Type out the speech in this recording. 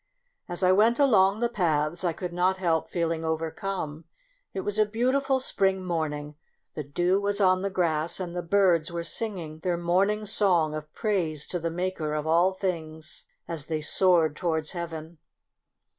As I went along the paths, I could not help feeling overcome. It was a beautiful spring morning, the dew was on the grass, and the birds were singing their morning song of praise to the Maker of all things, as they soared towards heaven.